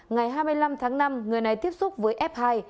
ngày hai mươi năm tháng năm người này tiếp xúc với f hai